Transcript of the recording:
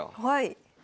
はい。